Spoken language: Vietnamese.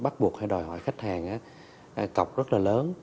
bắt buộc hay đòi hỏi khách hàng cọc rất là lớn